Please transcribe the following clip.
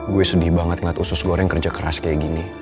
gue sedih banget ngeliat usus goreng kerja keras kayak gini